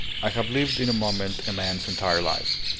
I have lived in a moment a man's entire life.